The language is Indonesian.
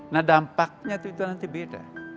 nah dampaknya itu nanti beda